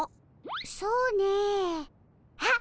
そうねあっ